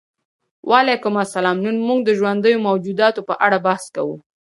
وعلیکم السلام نن موږ د ژوندیو موجوداتو په اړه بحث کوو